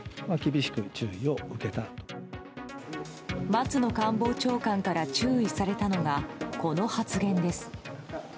松野官房長官から注意されたのが、この発言です。